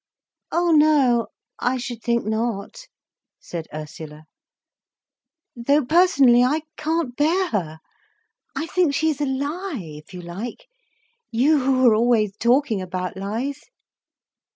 "Oh no, I should think not," said Ursula. "Though personally, I can't bear her. I think she is a lie, if you like, you who are always talking about lies."